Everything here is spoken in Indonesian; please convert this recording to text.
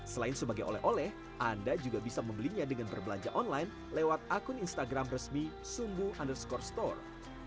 selain sebagai oleh oleh anda juga bisa membelinya dengan berbelanja online lewat akun instagram resmi sumbu underscore store